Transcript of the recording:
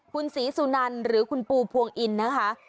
คุณศรีสุนันหรือคุณปูพวงอินนะคะ